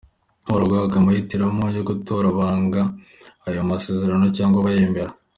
Barahabwa amahitamo yo gutora banga ayo masezerano cyangwa bayemera.